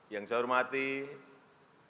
yang saya hormati ketua para wakil ketua